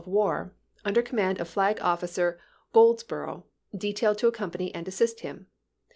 of war, under command of Flag officer Goldsbor "^1862?^' ough, detailed to accompany and assist him.